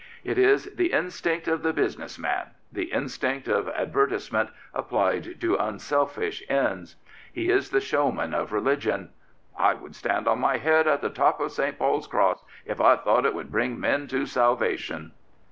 It is the instinct of the business man — the instinct of advertise ment applied to unselfish ends. He is the showman of religion. " I would stand on my head on the top of St. Paul's cross if I thought it would bring men to salvation."